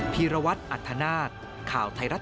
มีความรู้สึกภาพภูมิใจนะครับ